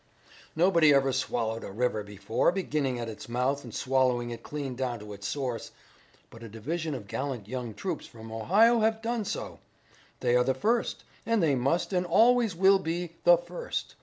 "Nobody ever swallowed a river before, beginning at its mouth and swallowing it clean down to its source, but a division of gallant young troops from Ohio have done so. They are the first, and they must and always will be the first.